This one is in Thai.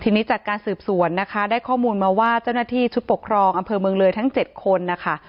ทีนี้จากการสืบสวนนะคะได้ข้อมูลมาว่าเจ้าหน้าที่ชุดปกครองอำเภอเมืองเลยทั้ง๗คนนะคะ